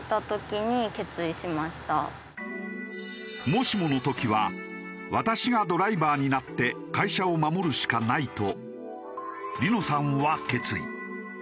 もしもの時は私がドライバーになって会社を守るしかないと梨乃さんは決意。